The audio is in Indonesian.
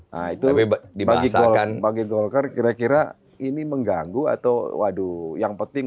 nah itu bagi golkar kira kira ini mengganggu atau waduh yang penting